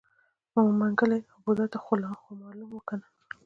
ماما منګلی او بوډا ته خومالوم و کنه.